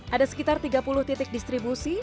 ada sekitar tiga puluh titik distribusi